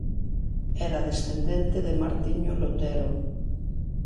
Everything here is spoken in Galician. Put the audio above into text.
Era descendente de Martiño Lutero.